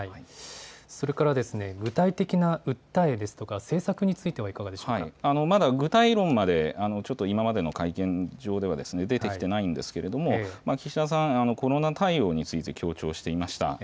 それからですね、具体的な訴えですとか、政策についてはいかまだ具体論まで、ちょっと今までの会見場では出てきてないんですけれども、岸田さん、コロナ対応について強調していました。